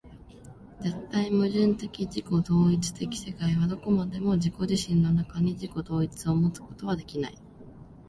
絶対矛盾的自己同一的世界はどこまでも自己自身の中に、自己同一をもつことはできない。